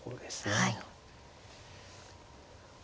はい。